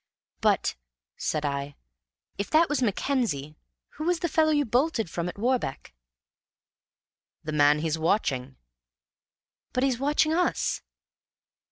"But," said I, "if that was Mackenzie, who was the fellow you bolted from at Warbeck?" "The man he's watching." "But he's watching us!"